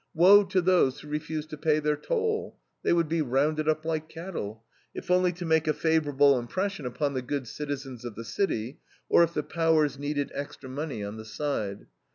Woe to those who refuse to pay their toll; they would be rounded up like cattle, "if only to make a favorable impression upon the good citizens of the city, or if the powers needed extra money on the side.